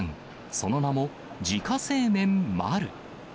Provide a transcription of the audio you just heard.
その名も、自家製麺・丸。